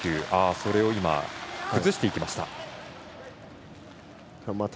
それを今、崩していきました。